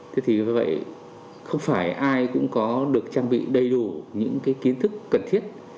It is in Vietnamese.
thế thì với vậy không phải ai cũng có được trang bị đầy đủ những kiến thức cần thiết